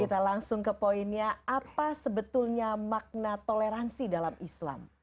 kita langsung ke poinnya apa sebetulnya makna toleransi dalam islam